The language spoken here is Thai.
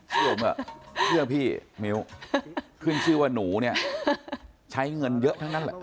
พี่หมอ่ะเชื่อพี่มิ้วขึ้นชื่อว่าหนูเนี่ยใช้เงินเยอะทั้งนั้นแหละ